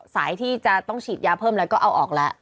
สายที่จะต้องฉีดยาเพิ่มอะไรก็เอาออกแล้ว